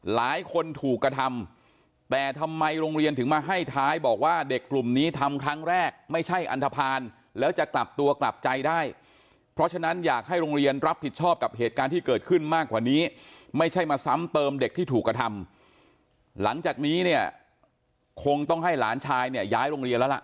หลายคนถูกกระทำแต่ทำไมโรงเรียนถึงมาให้ท้ายบอกว่าเด็กกลุ่มนี้ทำครั้งแรกไม่ใช่อันทภาณแล้วจะกลับตัวกลับใจได้เพราะฉะนั้นอยากให้โรงเรียนรับผิดชอบกับเหตุการณ์ที่เกิดขึ้นมากกว่านี้ไม่ใช่มาซ้ำเติมเด็กที่ถูกกระทำหลังจากนี้เนี่ยคงต้องให้หลานชายเนี่ยย้ายโรงเรียนแล้วล่ะ